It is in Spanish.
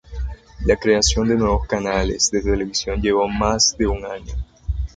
La creación de nuevos canales de televisión llevó más de un año.